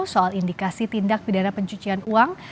soal indikasi tindak pidana pencucian uang